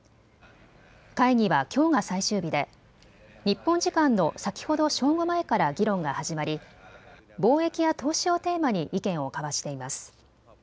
会議はきょうが最終日で日本時間の先ほど正午前から議論が始まり貿易や投資をテーマに意見を交わしています。